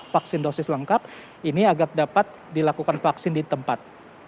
vaksin dosis lengkap ini agar dapat dilakukan vaksin di tempat